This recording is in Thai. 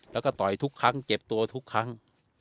แล้วก็ต่อยทุกครั้งเจ็บตัวทุกครั้ง